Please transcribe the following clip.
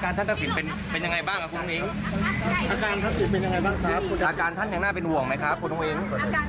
กำลังใจท่านเป็นยังไงบ้าง